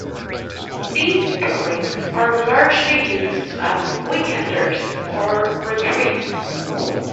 These dwellings are largely used as "weekenders" or retreats.